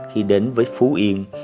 khi đến với phú yên